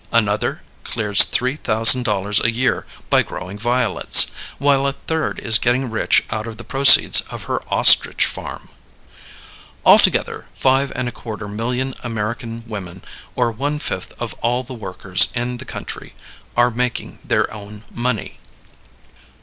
Another clears three thousand dollars a year by growing violets, while a third is getting rich out of the proceeds of her ostrich farm. Altogether five and a quarter million American women or one fifth of all the workers in the country are making their own money.